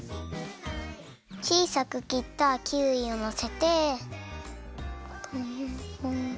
ちいさくきったキウイをのせて。